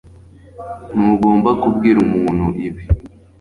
ntugomba kubwira umuntu ibi